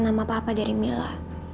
nama papa dari mila